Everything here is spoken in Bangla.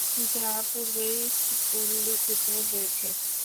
যা পূর্বেই উল্লিখিত হয়েছে।